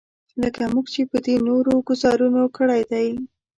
لکه موږ چې په دې نورو ګوزارونو کړی دی.